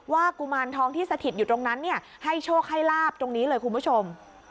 กุมารทองที่สถิตอยู่ตรงนั้นให้โชคให้ลาบตรงนี้เลยคุณผู้ชม